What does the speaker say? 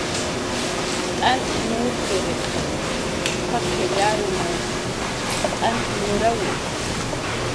T'ant urkiriq paqill arumw t'ant nurawi